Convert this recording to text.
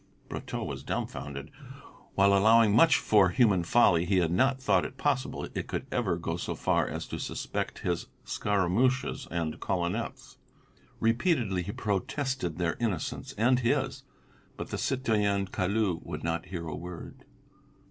Brotteaux was dumfounded. While allowing much for human folly, he had not thought it possible it could ever go so far as to suspect his Scaramouches and Colinettes. Repeatedly he protested their innocence and his; but the citoyen Caillou would not hear a word.